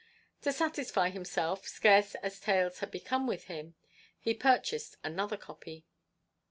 To satisfy himself, scarce as taels had become with him, he purchased another copy.